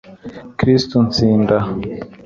kristu tsinda